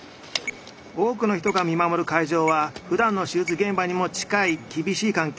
多くの人が見守る会場はふだんの手術現場にも近い厳しい環境。